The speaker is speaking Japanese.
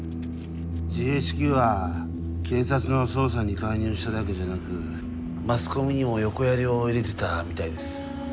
ＧＨＱは警察の捜査に介入しただけじゃなくマスコミにも横やりを入れてたみたいです。